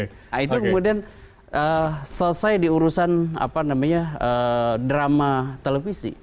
nah itu kemudian selesai diurusan drama televisi